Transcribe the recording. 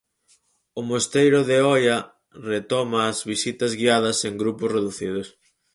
O mosteiro de Oia retoma as visitas guiadas en grupos reducidos.